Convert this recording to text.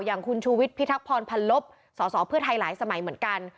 อย่างคุณชูวิทพิทักษรพันลบสสเพื่อไทยหลายสมัยเหมือนกัน